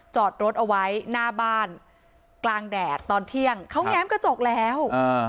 จอดรถเอาไว้หน้าบ้านกลางแดดตอนเที่ยงเขาแง้มกระจกแล้วอ่า